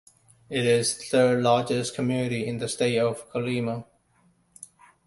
It is the third-largest community in the state of Colima.